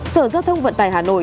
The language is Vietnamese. sở giáo thông vận tải hà nội